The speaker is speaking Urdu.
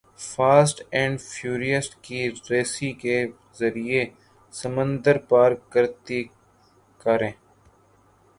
فاسٹ اینڈ فیورس کی رسی کے ذریعے سمندر پار کرتیں کاریں